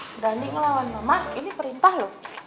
berani ngelawan mama ini perintah loh